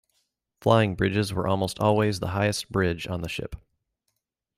Flying bridges were almost always the highest bridge on the ship.